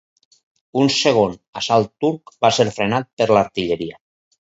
Un segon assalt turc va ser frenat per l'artilleria.